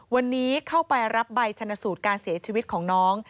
วันนี้เข้าไปรับใบชนสูตรการเสียชีวิตของน้อง